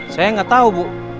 saya gak tau bu